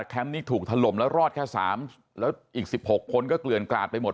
แคมป์นี้ถูกถล่มแล้วรอดแค่สามแล้วอีกสิบหกคนก็เกลือ่นกลาดไปหมด